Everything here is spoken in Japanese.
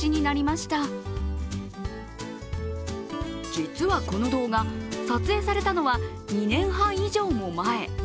実はこの動画撮影されたのは２年半以上も前。